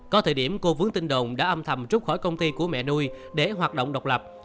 có thời điểm cô vướng tinh đồn đã âm thầm trút khỏi công ty của mẹ nuôi để hoạt động độc lập